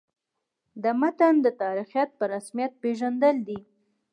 د متن د تاریخیت په رسمیت پېژندل دي.